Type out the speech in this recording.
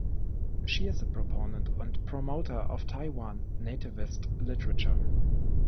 She is a proponent and promoter of Taiwan Nativist Literature.